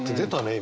今。